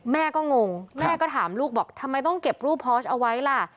แม่ก็งงแม่ก็ถามลูกบอกทำไมต้องเก็บรูปพอร์ชเอาไว้ล่ะ